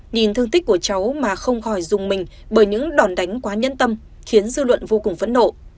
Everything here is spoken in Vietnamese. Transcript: nhìn thương tích của cháu mà không khỏi dùng mình bởi những đòn đánh quá nhân tâm khiến dư luận vô cùng phẫn nộ